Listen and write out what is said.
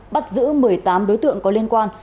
bắt giữ một mươi tám đối tượng có liên quan